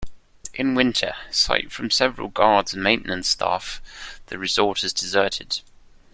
In winter, aside from several guards and maintenance staff, the resort is deserted.